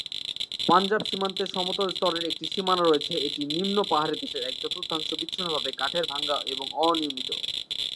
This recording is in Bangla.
পাঞ্জাব সীমান্তে সমতল স্তরের একটি সীমানা রয়েছে, এটি নিম্ন পাহাড়ী দেশের এক চতুর্থাংশ বিচ্ছিন্নভাবে কাঠের, ভাঙ্গা এবং অনিয়মিত।